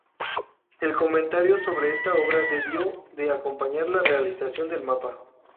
El comentario sobre esta obra debió de acompañar la realización del mapa.